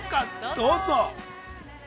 どうぞ。